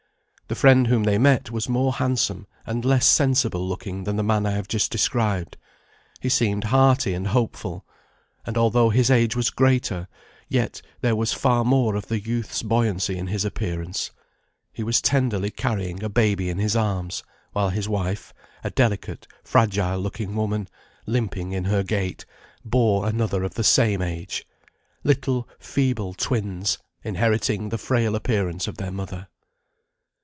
The friend whom they met was more handsome and less sensible looking than the man I have just described; he seemed hearty and hopeful, and although his age was greater, yet there was far more of youth's buoyancy in his appearance. He was tenderly carrying a baby in arms, while his wife, a delicate, fragile looking woman, limping in her gait, bore another of the same age; little, feeble twins, inheriting the frail appearance of their mother.